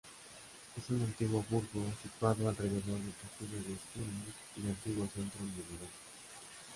Es un antiguo burgo, situado alrededor del Castillo de Stirling y antiguo centro medieval.